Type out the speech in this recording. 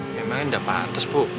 emangnya enggak pantas bu